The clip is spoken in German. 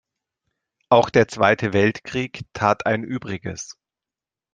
Auch der Zweite Weltkrieg tat ein Übriges.